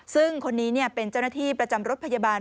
ซึ่งคนนี้เป็นเจ้าหน้าที่ประจำรถพยาบาล